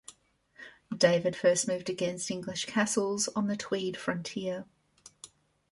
David first moved against English castles on the Tweed frontier.